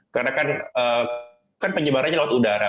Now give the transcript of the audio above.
karena kan penyebarannya lewat udara